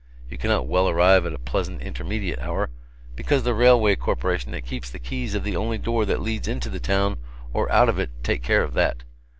You cannot well arrive at a pleasant intermediate hour, because the railway corporation that keeps the keys of the only door that leads into the town or out of it take care of that.